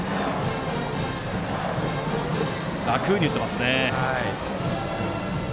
楽に打っていますね。